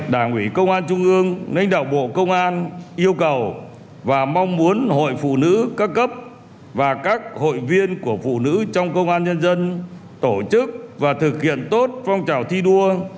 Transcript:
đảng ủy công an trung ương lãnh đạo bộ công an yêu cầu và mong muốn hội phụ nữ các cấp và các hội viên của phụ nữ trong công an nhân dân tổ chức và thực hiện tốt phong trào thi đua